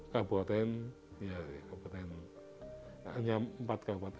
kabupaten ya kabupaten hanya empat kabupaten